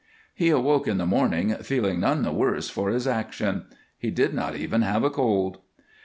He awoke in the morning feeling none the worse for his action. He did not even have a cold.